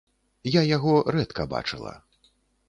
Я яго рэдка бачыла.